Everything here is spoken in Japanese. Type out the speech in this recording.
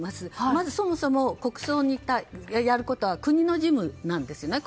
まずそもそも国葬をやることは国の事務なんですね。